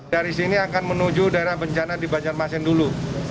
dari sini akan menuju daerah bencana di banjarmasin dulu